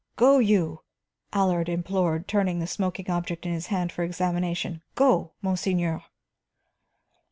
"Go, you!" Allard implored, turning the smoking object in his hands for examination. "Go, monseigneur!"